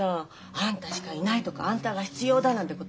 「あんたしかいない」とか「あんたが必要だ」なんて言葉